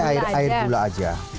saya air gula aja